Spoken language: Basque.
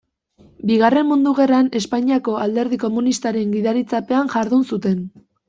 Bigarren Mundu Gerran, Espainiako Alderdi Komunistaren gidaritzapean jardun zuten.